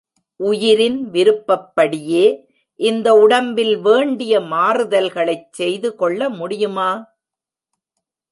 உயிரின் விருப்பப்படியே இந்த உடம்பில் வேண்டிய மாறுதல்களைச் செய்து கொள்ள முடியுமா?